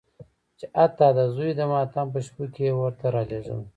چې حتی د زوی د ماتم په شپو کې یې ورته رالېږل.